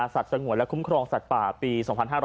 สัตว์สงวนคุ้มครองสัตว์ป่าปี๒๕๓๕